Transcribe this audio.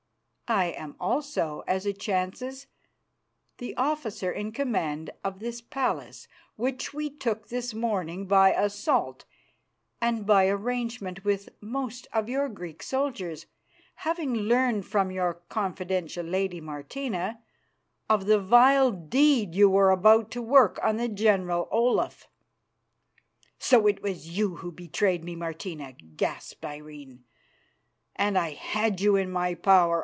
I am also, as it chances, the officer in command of this palace, which we took this morning by assault and by arrangement with most of your Greek soldiers, having learned from your confidential lady, Martina, of the vile deed you were about to work on the General Olaf." "So it was you who betrayed me, Martina," gasped Irene; "and I had you in my power.